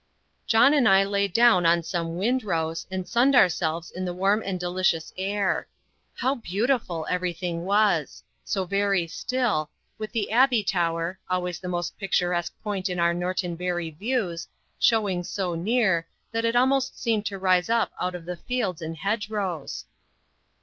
John and I lay down on some wind rows, and sunned ourselves in the warm and delicious air. How beautiful everything was! so very still! with the Abbey tower always the most picturesque point in our Norton Bury views showing so near, that it almost seemed to rise up out of the fields and hedge rows.